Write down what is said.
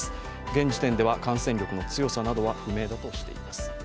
現時点では感染力の強さなどは不明だとしています。